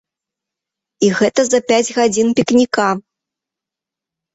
І гэта за пяць гадзін пікніка!